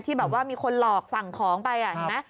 แบบว่ามีคนหลอกสั่งของไปเห็นไหม